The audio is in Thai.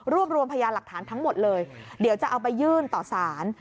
รวมรวมพยานหลักฐานทั้งหมดเลยเดี๋ยวจะเอาไปยื่นต่อสาร